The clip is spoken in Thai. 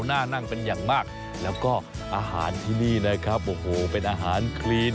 น่านั่งเป็นอย่างมากแล้วก็อาหารที่นี่นะครับโอ้โหเป็นอาหารคลีน